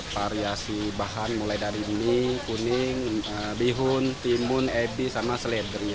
variasi bahan mulai dari mie kuning bihun timun ebi sama seledri